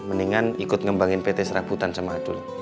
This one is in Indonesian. mendingan ikut ngembangin pt serabutan sama adul